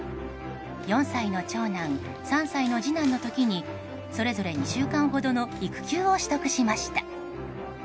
４歳の長男、３歳の次男の時にそれぞれ２週間ほどの育休を取得しました。